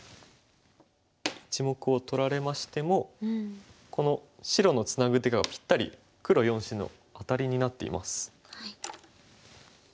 １目を取られましてもこの白のツナぐ手がぴったり黒４子のアタリになっています。